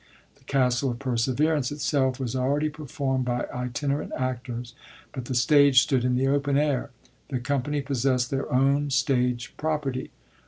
The Castle of PerseveraTice itself was already performd by itinerant actors,'* but the stage stood in the open air. The company possest their own stage property.